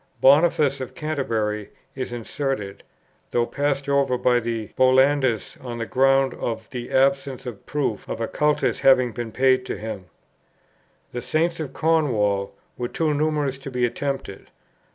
Boniface of Canterbury is inserted, though passed over by the Bollandists on the ground of the absence of proof of a cultus having been paid to him. The Saints of Cornwall were too numerous to be attempted.